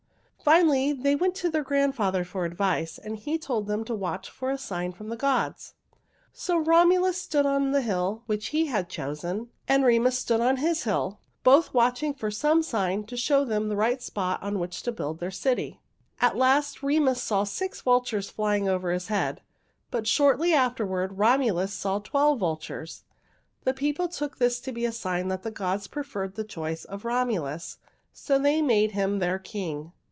Finally they went to their grandfather for advice, and he told them to watch for a sign from the gods. So Romulus stood on the hill which he had chosen and Remus stood on his hill, both watching for some sign to show them the right spot on which to build their city. [Illustration: Remus saw six vultures flying over his head] "At last Remus saw six vultures flying over his head, but shortly afterward Romulus saw twelve vultures. The people took this to be a sign that the gods preferred the choice of Romulus, so they made him their king.